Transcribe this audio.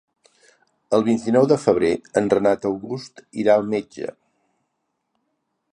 El vint-i-nou de febrer en Renat August irà al metge.